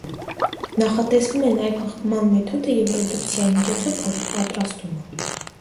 Նախատեսվում է նաև հղկման մեթոդը և ռեդուկցայի միջոցով փողի պատրաստումը։